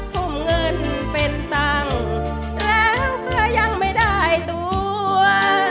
ทุ่มเงินเป็นตังค์แล้วก็ยังไม่ได้ตัว